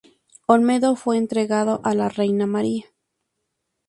Olmedo fue entregado a la reina María.